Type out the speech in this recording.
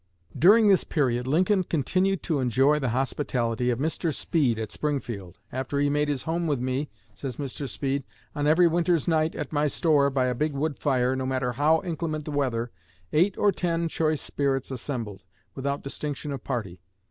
During this period Lincoln continued to enjoy the hospitality of Mr. Speed at Springfield. "After he made his home with me," says Mr. Speed, "on every winter's night at my store, by a big wood fire, no matter how inclement the weather, eight or ten choice spirits assembled, without distinction of party.